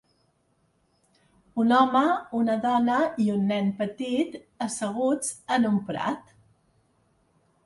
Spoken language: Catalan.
Un home, una dona i un nen petit asseguts en un prat.